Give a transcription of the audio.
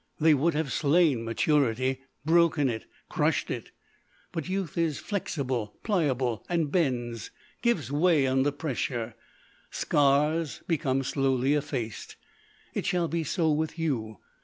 They would have slain maturity—broken it, crushed it. But youth is flexible, pliable, and bends—gives way under pressure. Scars become slowly effaced. It shall be so with you.